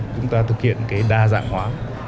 chúng ta thực hiện đa dạng hóa